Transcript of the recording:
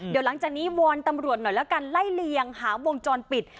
เดี๋ยวหลังจากนี้วอนตำรวจหน่อยแล้วกันไล่เลียงหาวงจรปิด